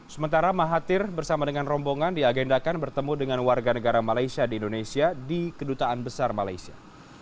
sementara mahathir bersama dengan rombongan diagendakan bertemu dengan warga negara malaysia di indonesia di kedutaan besar malaysia